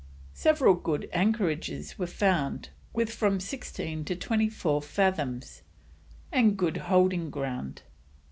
Several good anchorages were found, with from sixteen to twenty four fathoms and good holding ground.